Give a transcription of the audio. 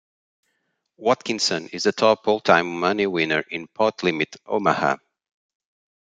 Watkinson is the top all-time money winner in Pot Limit Omaha.